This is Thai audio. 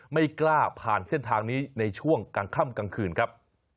ไม่กล้าผ่านเส้นทางนี้ในช่วงกลางค่ำกลางคืนครับ